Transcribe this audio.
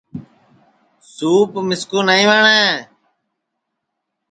سُوپ مِسکُو نائیں وٹؔیں